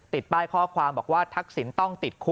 ป้ายข้อความบอกว่าทักษิณต้องติดคุก